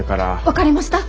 分かりました！